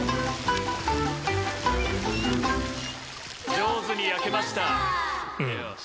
「上手に焼けました！」